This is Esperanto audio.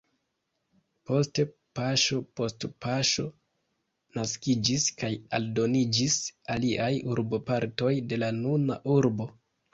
Poste paŝo post paŝo naskiĝis kaj aldoniĝis aliaj urbopartoj de la nuna urbo.